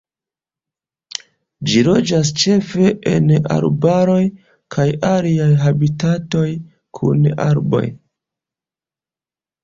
Ĝi loĝas ĉefe en arbaroj kaj aliaj habitatoj kun arboj.